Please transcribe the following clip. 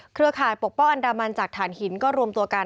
เครือข่ายปกป้องอันดามันจากฐานหินก็รวมตัวกัน